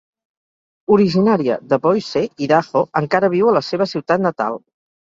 Originària de Boise, Idaho, encara viu a la seva ciutat natal.